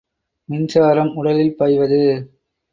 மின்சாரம் உடலில் பாய்வது.